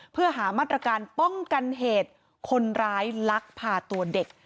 เพื่อหามาตรการป้องกันเหตุคนร้ายลักพาตัวเด็ก